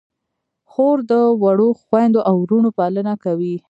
خور د وړو خویندو او وروڼو پالنه کوي.